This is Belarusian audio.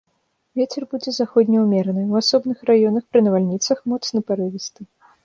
Вецер будзе заходні ўмераны, у асобных раёнах пры навальніцах моцны парывісты.